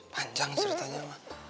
panjang ceritanya ma